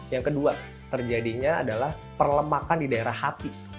yang kedua terjadinya adalah perlemakan di daerah hati